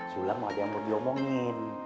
sulam ada yang mau diomongin